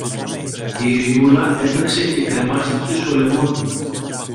η Ειρηνούλα έτρεξε και κρεμάστηκε στο λαιμό του